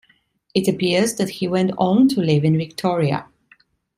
It appears that he went on to live in Victoria.